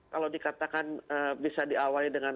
kalau dikatakan bisa diawali dengan